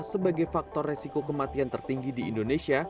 sebagai faktor resiko kematian tertinggi di indonesia